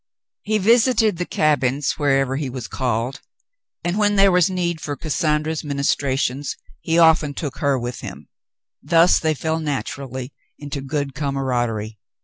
He visited the cabins wherever he was called, and when there was need for Cassandra's ministrations he often took her with him ; thus they fell naturally into good camaraderie.